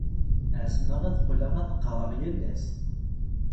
Ɛezmeɣ ad qqleɣ ad qqareɣ yal ass.